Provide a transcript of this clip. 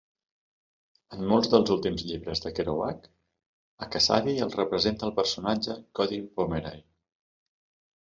En molts dels últims llibres de Kerouac, a Cassady el representa el personatge Cody Pomeray.